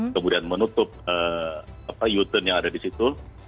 kemudian menutup u turn yang ada di situ